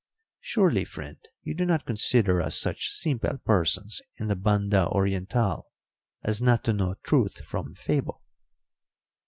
"Surely, friend, you do not consider us such simple persons in the Banda Orientál as not to know truth from fable?"